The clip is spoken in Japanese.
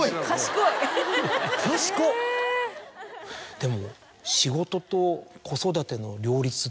でも。